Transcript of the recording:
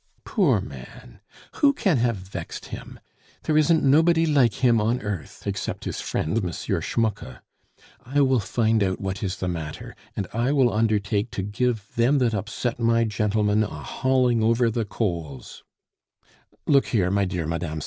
"Poor man! who can have vexed him? There isn't nobody like him on earth except his friend M. Schmucke. I will find out what is the matter, and I will undertake to give them that upset my gentleman a hauling over the coals " "Look here, my dear Mme.